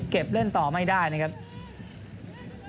ส่วนที่สุดท้ายส่วนที่สุดท้าย